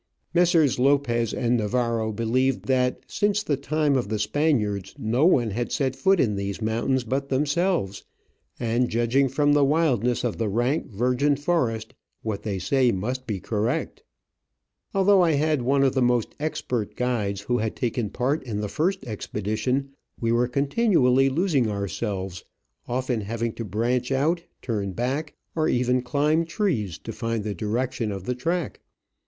Messrs. Digitized by VjOOQIC OF AN Orchid Hunter, 177 Lopez and Navarro believed that since the time of the Spaniards no one had set foot in these mountains but themselves, and, judging from the wildness of the rank, virgin forest, what they say must be correct. GOLD MINERS HUTS. Although I had one of the most expert guides who had taken part in the first expedition, we were con tinually losing ourselves, often having to branch out, turn back, or even climb trees, to find the direction of the track.